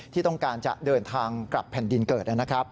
ที่ต้องการจะเดินทางกลับแผ่นดินเกิดนะครับ